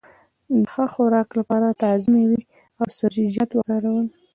د ښه خوراک لپاره تازه مېوې او سبزيجات وکاروه.